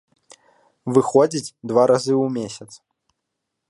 Выходзіць два разы ў месяц.